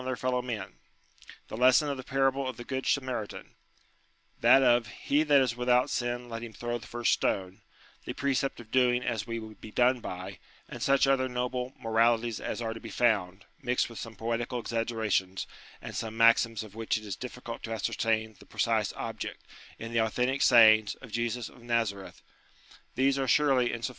their fellow men ; the lesson of the parable of the Good Samaritan ; that of " he that is without sin let him throw the first stone ;" the precept of doing as we would be done by ; and such other noble moralities as are to be found, mixed with some poetical exagge rations, and some maxims of which it is difficult to ascertain the precise object; in the authentic sayings of Jesus of Nazareth ; these are surely in sufficient * Not, however, a new commandment.